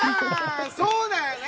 そうだよね。